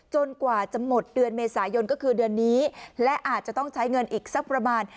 กว่าจะหมดเดือนเมษายนก็คือเดือนนี้และอาจจะต้องใช้เงินอีกสักประมาณ